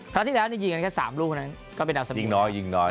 ครั้งที่แล้วที่ยิงกันแค่๓ลูกนั้นก็เป็นอัลสมีรยิ่งน้อยยิ่งน้อย